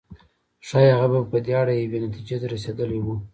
ښايي هغه به په دې اړه یوې نتيجې ته رسېدلی و.